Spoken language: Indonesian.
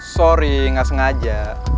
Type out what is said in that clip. sorry gak sengaja